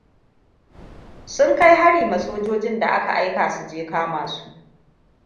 Su kai hari ma sojojin da aka aika suje kama su.